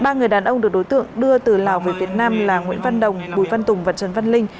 ba người đàn ông được đối tượng đưa từ lào về việt nam là nguyễn văn đồng bùi văn tùng và trần văn linh